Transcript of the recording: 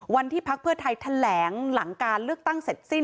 พักเพื่อไทยแถลงหลังการเลือกตั้งเสร็จสิ้น